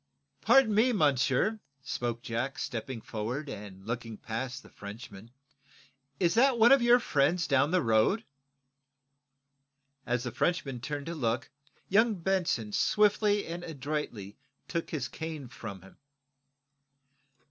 "Pardon me, monsieur," spoke Jack, stepping forward, and looking past the Frenchman; "is that one of your friends down the road?" As the Frenchman turned to look, young Benson swiftly and adroitly took his cane from him.